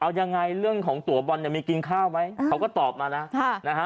เอายังไงเรื่องของตัวบอลเนี่ยมีกินข้าวไหมเขาก็ตอบมานะค่ะนะฮะ